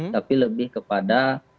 tapi lebih kepada